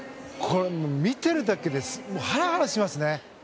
見ているだけでハラハラしますね。